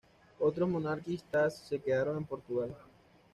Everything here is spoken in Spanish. Otros monarquistas se quedaron en Portugal.